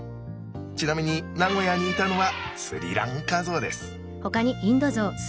ちなみに名古屋にいたのはスリランカゾウです。